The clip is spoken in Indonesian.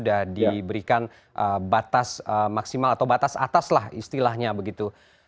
sudah diberikan batas maksimal atau batas atas lah istilahnya begitu